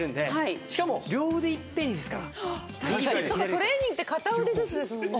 トレーニングって片腕ずつですもんね。